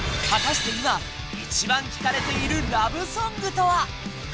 果たして今、一番聴かれているラブソングとは？